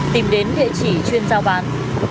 tìm đến địa chỉ chuyên giao bán